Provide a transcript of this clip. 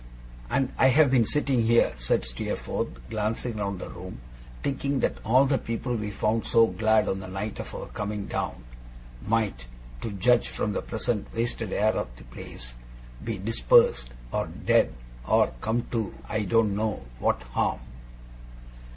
'And I have been sitting here,' said Steerforth, glancing round the room, 'thinking that all the people we found so glad on the night of our coming down, might to judge from the present wasted air of the place be dispersed, or dead, or come to I don't know what harm.